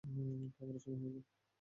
খাবারের সময় হয়েছে!